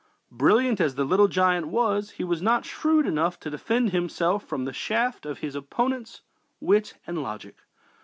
Brilliant as "the Little Giant" was, he was not shrewd enough to defend himself from the shafts of his opponent's wit and logic.